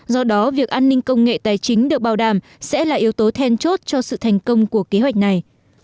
do đó việc an ninh công nghệ tài chính được bảo đảm sẽ là yếu tố then chốt cho sự thành công của kế hoạch này